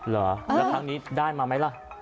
เหรอแล้วครั้งนี้ได้มาไหมล่ะ